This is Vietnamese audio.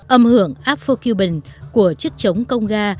âm hưởng afro cuban của chức chống công ga